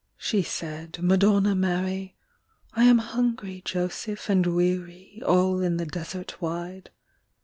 She said, Madonna Mary, "I am hungry, Joseph, and weary, All in the desert wide."